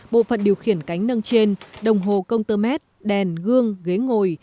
bộ phận điều khiển cánh nâng trên đồng hồ công tơ mét đèn gương ghế ngồi